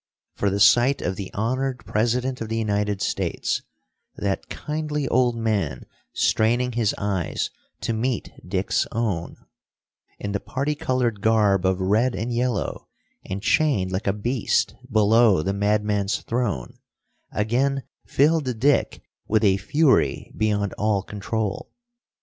For the sight of the honored President of the United States that kindly old man straining his eyes to meet Dick's own in the parti colored garb of red and yellow, and chained like a beast below the madman's throne, again filled Dick with a fury beyond all control.